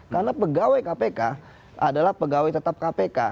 karena pegawai kpk adalah pegawai tetap kpk